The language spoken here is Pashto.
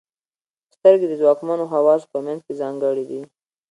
• سترګې د ځواکمنو حواسو په منځ کې ځانګړې دي.